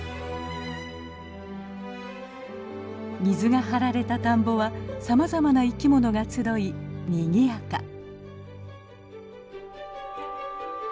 水が張られた田んぼはさまざまな生き物が集いにぎやか。